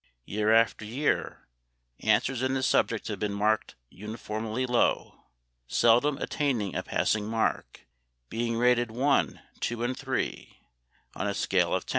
Year after year answers in this subject have been marked uniformly low, seldom attaining a passing mark, being rated 1, 2 and 3, on a scale of 10.